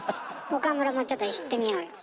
岡村もちょっと言ってみようよ。